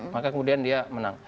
maka kemudian dia menang